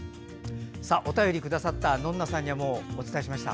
お便りをくださったノンナさんにはお伝えしました？